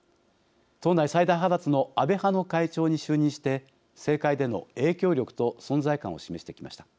党内最大派閥の安倍派の会長に就任して政界での影響力と存在感を示してきました。